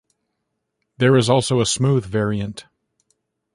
There is also a 'smooth' variant.